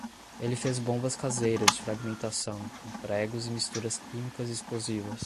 Ele fez bombas caseiras de fragmentação, com pregos e misturas químicas explosivas